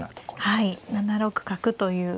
はい７六角という。